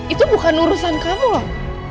itu bukan urusan kamu loh